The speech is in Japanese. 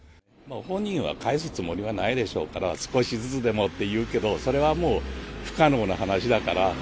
本人は返すつもりはないでしょうから、少しずつでもって言うけど、それはもう不可能な話だから。